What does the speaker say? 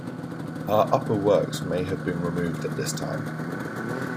Her upper works may have been removed at this time.